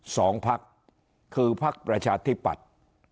สองภาคคือภาคประชาธิบัติ